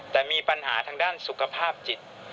แต่มีปัญหาทางด้านสุขภาพจิต